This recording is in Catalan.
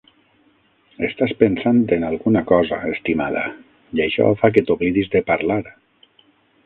"Estàs pensant en alguna cosa, estimada, i això fa que t'oblidis de parlar.